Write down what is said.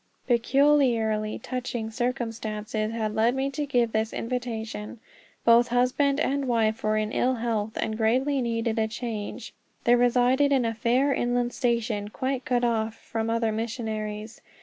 Peculiarly touching circumstances had led me to give this invitation. Both husband and wife were in ill health, and greatly needed a change. They resided in a far inland station, quite cut off from other missionaries.